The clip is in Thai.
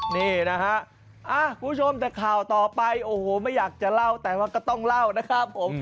นี่นะฮะคุณผู้ชมแต่ข่าวต่อไปโอ้โหไม่อยากจะเล่าแต่ว่าก็ต้องเล่านะครับผม